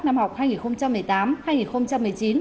năm học hai nghìn một mươi tám hai nghìn một mươi chín